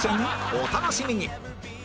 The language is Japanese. お楽しみに！